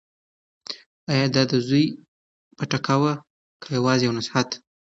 ایا دا د زوی پټکه وه که یوازې یو نصیحت و؟